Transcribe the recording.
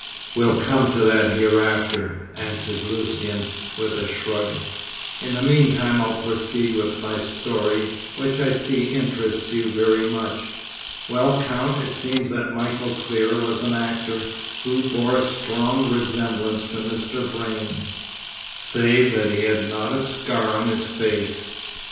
"We'll come to that hereafter," answered Lucian, with a shrug. "In the meantime I'll proceed with my story, which I see interests you very much. Well, Count, it seems that Michael Clear was an actor, who bore a strong resemblance to Mr. Vrain, save that he had not a scar on his face.